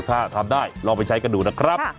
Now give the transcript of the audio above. ถ้าทำได้ลองไปใช้กันดูนะครับ